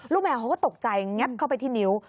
แมวเขาก็ตกใจแง๊บเข้าไปที่นิ้ว